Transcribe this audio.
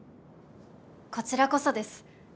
こちらこそです。